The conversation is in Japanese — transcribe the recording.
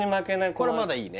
これはまだいいね